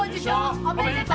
おめでとう。